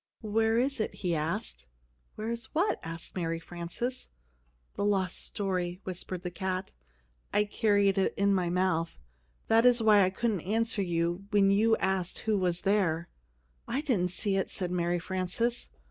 "Where is it?" he asked. "Where is what?" asked Mary Frances. "The lost story," whispered the cat. "I carried it in my mouth. That is why I couldn't answer you when you asked who was there." "I didn't see it," said Mary Frances.